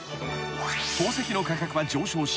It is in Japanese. ［宝石の価格は上昇し